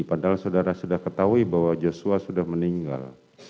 padahal saudara sudah ketahui bahwa joshua sudah meninggal